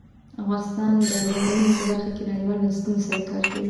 افغانستان د ځنګلونه په برخه کې نړیوالو بنسټونو سره کار کوي.